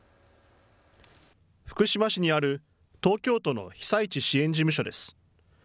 福島市にある東京都の被災地支援事務所です。